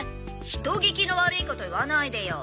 人聞きの悪いこと言わないでよ。